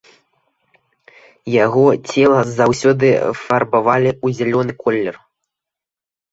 Яго цела заўсёды фарбавалі ў зялёны колер.